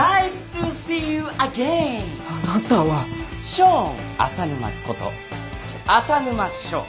ショーン浅沼こと浅沼翔。